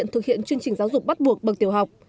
chuyên trình giáo dục bắt buộc bằng tiểu học